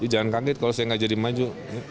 jangan kaget kalau saya nggak jadi maju